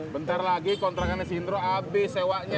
bentar lagi kontrakannya si indro abis sewanya